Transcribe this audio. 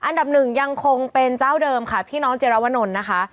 อันดับหนึ่งยังคงเป็นเจ้าเดิมค่ะพี่น้องเจรวนลนะคะ